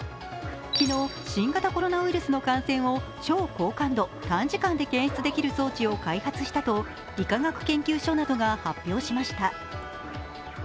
昨日、新型コロナウイルスの感染を超高感度・短時間で検出できる装置を開発したと理化学研究所などが発表しました。